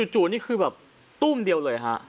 จู่นี่คือแบบตุ้มเดียวเลยฮะ